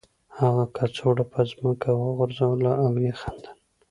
هغه کڅوړه په ځمکه وغورځوله او ویې خندل